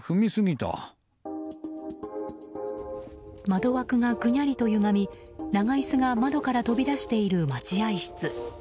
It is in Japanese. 窓枠がぐにゃりとゆがみ長椅子が窓から飛び出している待合室。